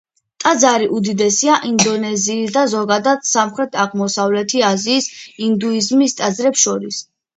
ტაძარი უდიდესია ინდონეზიის და ზოგადად, სამხრეთ-აღმოსავლეთი აზიის ინდუიზმის ტაძრებს შორის.